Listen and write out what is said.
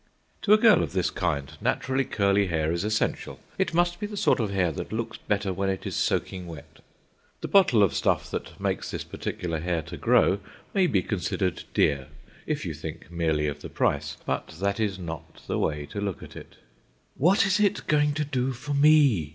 To a girl of this kind, naturally curly hair is essential. It must be the sort of hair that looks better when it is soaking wet. The bottle of stuff that makes this particular hair to grow may be considered dear, if you think merely of the price. But that is not the way to look at it. "What is it going to do for me?"